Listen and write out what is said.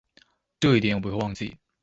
這一點我不會忘記